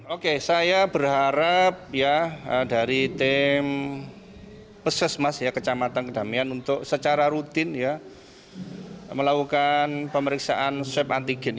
oke saya berharap ya dari tim pesesmas ya kecamatan kedamian untuk secara rutin ya melakukan pemeriksaan swab antigen